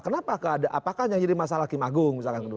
kenapa apakah jadi masalah hakim agung